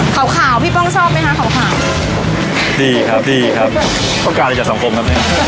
ขาวขาวพี่ป้องชอบไหมคะขาวขาวดีครับดีครับต้องการอะไรจากสังคมครับเนี้ย